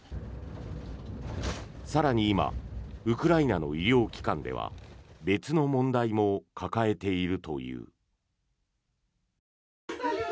更に今ウクライナの医療機関では別の問題も抱えているという。